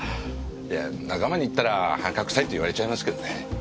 いや仲間に言ったらはんかくさいって言われちゃいますけどね。